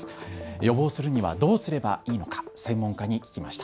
予防するにはどうすればいいのか専門家に聞きました。